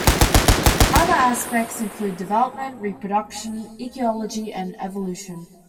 Other aspects include development, reproduction, ecology and evolution.